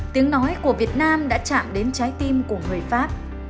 tiếng nói của việt nam đã chạm đến trái tim của người pháp